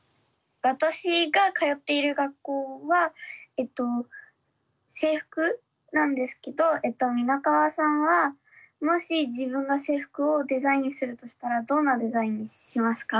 私が通っている学校は制服なんですけど皆川さんはもし自分が制服をデザインするとしたらどんなデザインにしますか？